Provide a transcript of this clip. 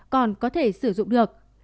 còn có thể sử dụng được